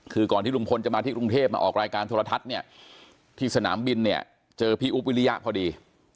คือก่อนที่ลุงพลจะมาที่กรุงเทพมาออกรายการโทรทัศน์เนี่ยที่สนามบินเนี่ยเจอพี่อุ๊บวิริยะพอดี